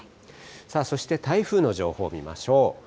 さあ、そして台風の情報を見ましょう。